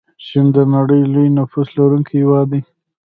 چین د نړۍ لوی نفوس لرونکی هیواد دی.